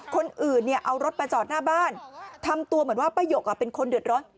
คนอื่นเนี่ยเอารถมาจอดหน้าบ้านทำตัวเหมือนว่าป้ายกเป็นคนเดือดร้อน